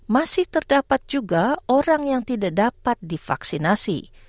masih terdapat juga orang yang tidak dapat divaksinasi